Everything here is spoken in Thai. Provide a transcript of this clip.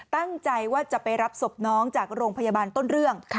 ตั้งใจว่าจะไปรับศพน้องจากโรงพยาบาลต้นเรื่อง